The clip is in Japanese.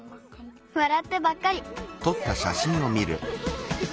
わらってばっかり！